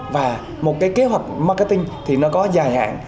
và một cái kế hoạch marketing thì nó có dài hạn